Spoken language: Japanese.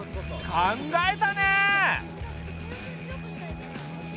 考えたね。